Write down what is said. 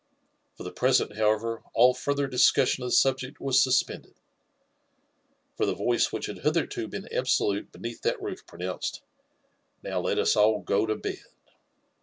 For the present, however, all further discussion of the subject yff» auspej^ded ; for the voice which had hitherto been absolute beae^t^ that roof pr^opunced :'.' Npy let lis all go to bed."